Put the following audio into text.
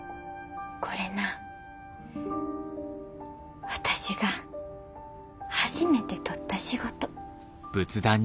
これな私が初めて取った仕事。